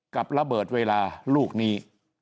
กับระเบิดเวลาลูกนี้